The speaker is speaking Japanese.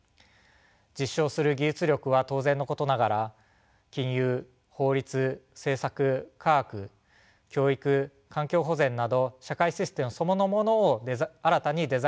実証する技術力は当然のことながら金融法律政策科学教育環境保全など社会システムそのものを新たにデザインしていく必要があります。